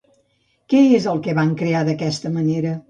Què és el que van crear d'aquesta manera?